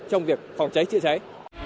trong việc phòng cháy chữa cháy